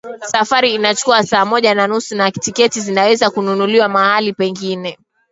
Safari inachukua saa moja na nusu na tiketi zinaweza kununuliwa mahali pengine